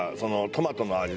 トマトの。